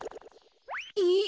えっ？